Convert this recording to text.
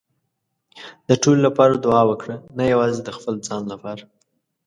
د ټولو لپاره دعا وکړه، نه یوازې د خپل ځان لپاره.